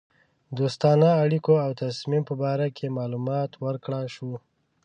دوستانه اړېکو او تصمیم په باره کې معلومات ورکړه شوه.